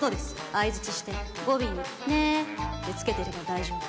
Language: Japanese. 相づちして語尾に「ねー」ってつけてれば大丈夫